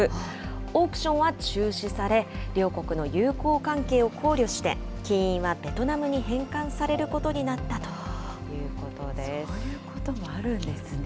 オークションは中止され、両国の友好関係を考慮して、金印はベトナムに返還されることになったとそういうこともあるんですね。